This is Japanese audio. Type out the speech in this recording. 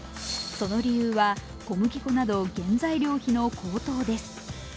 その理由は、小麦粉など原材料費の高騰です。